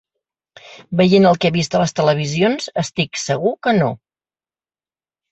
Veient el que he vist a les televisions, estic segur que no.